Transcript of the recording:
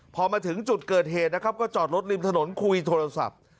พอมาถึงจุดเกิดเหตุนะครับก็จอดรถริมถนนคุยโทรศัพท์